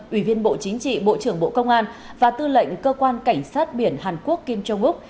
ủy viên bộ chính trị bộ trưởng bộ công an và tư lệnh cơ quan cảnh sát biển hàn quốc kim jong uc